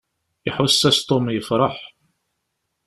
Iḥuss-as Tom yefṛeḥ.